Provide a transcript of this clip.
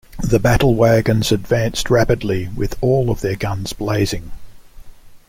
The battle wagons advanced rapidly, with all of their guns blazing.